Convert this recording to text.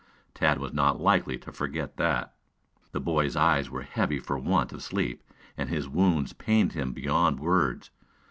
Tad was not likely to forget that. The boy's eyes were heavy for want of sleep and his wounds pained him beyoud words.